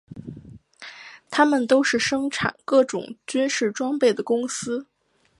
它们都是生产各种军事装备的公司。